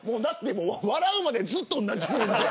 笑うまでずっと同じポーズ。